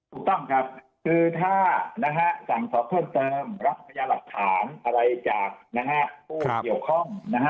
ถูกต้องครับคือถ้าสั่งสอบเพิ่มเติมรับพญาหลักฐานอะไรจากผู้เกี่ยวข้องนะฮะ